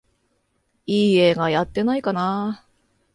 いい映画やってないかなあ